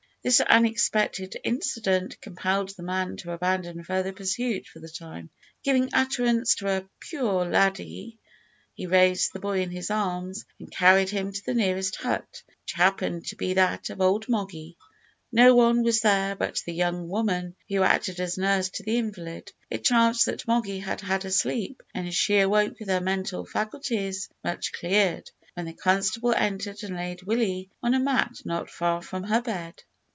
This unexpected incident compelled the man to abandon further pursuit for the time. Giving utterance to a "puir laddie," he raised the boy in his arms and carried him to the nearest hut, which happened to be that of old Moggy! No one was there but the young woman who acted as nurse to the invalid. It chanced that Moggy had had a sleep, and she awoke with her mental faculties much cleared, when the constable entered and laid Willie on a mat not far from her bed.